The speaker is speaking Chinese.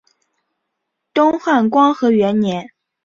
东汉光和元年。